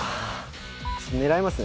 狙いますね。